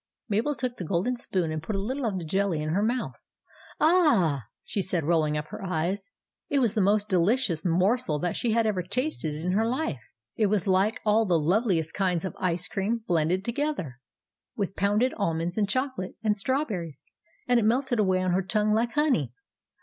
Mabel took the golden spoon, and put a little of the jelly in her mouth. " Ah h h !" she said, rolling up her eyes. It was the most delicious morsel that she had ever tasted in her life. It was like all 1 88 THE ADVENTURES OF MABEL the loveliest kinds of ice cream blended together, with pounded almonds and choco late and strawberries ; and it melted away on her tongue like honey.